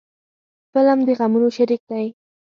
فلم د غمونو شریک دی